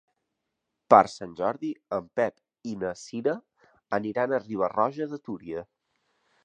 Per Sant Jordi en Pep i na Cira aniran a Riba-roja de Túria.